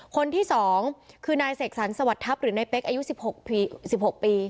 คนที่๒คือนายเสกสรรสวัสดิทัพหรือนายเป๊กอายุ๑๖ปี